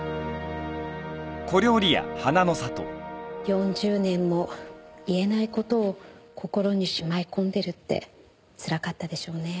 ４０年も言えない事を心にしまい込んでるってつらかったでしょうね。